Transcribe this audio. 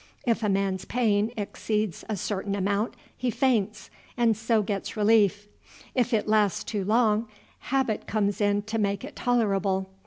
If a man's pain exceeds a certain amount, he faints, and so gets relief. If it lasts too long, habit comes in to make it tolerable.